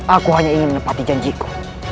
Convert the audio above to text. aku hanya ingin menepati janjiku